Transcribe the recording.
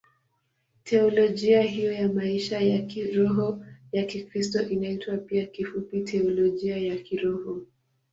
Teolojia hiyo ya maisha ya kiroho ya Kikristo inaitwa pia kifupi Teolojia ya Kiroho.